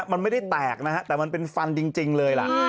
มันไม่ได้แตกนะฮะแต่มันเป็นฟันจริงเลยล่ะ